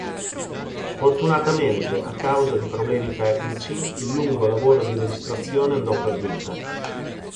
Sfortunatamente, a causa di problemi tecnici, il lungo lavoro di registrazione andò perduto.